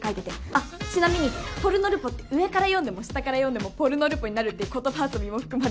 あっちなみに「ポルノルポ」って上から読んでも下から読んでも「ポルノルポ」になるっていう言葉遊びも含まれてます。